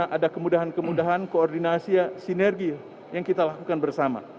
karena ada kemudahan kemudahan koordinasi sinergi yang kita lakukan bersama